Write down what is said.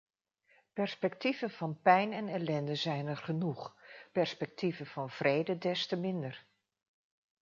Perspectieven van pijn en ellende zijn er genoeg, perspectieven van vrede des te minder.